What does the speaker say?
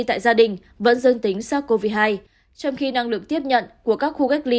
tại gia đình vẫn dâng tính sắc covid một mươi chín trong khi năng lượng tiếp nhận của các khu cách ly